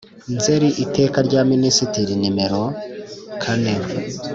Nzeri Iteka rya Minisitiri nimero kane